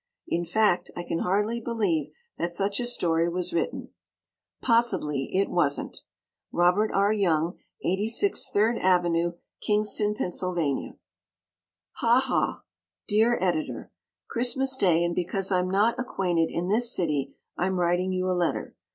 In fact, I can hardly believe that such a story was written. Possibly it wasn't! Robert R. Young, 86 Third Avenue, Kingston, Penn. Ha ha! Dear Editor: Christmas day, and because I'm not acquainted in this city I'm writing you a letter.